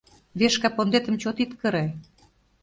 — Вешка пондетым чот ит кыре.